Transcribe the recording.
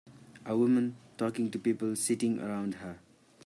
A woman talking to people sitting around her.